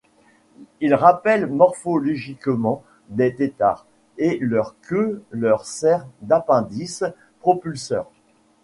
Ils rappellent morphologiquement des têtards, et leur queue leur sert d’appendice propulseur.